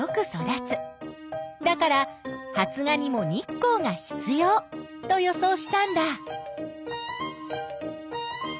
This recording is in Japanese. だから発芽にも日光が必要と予想したんだ。